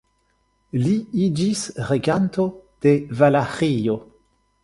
Li iĝis reganto de Valaĥio.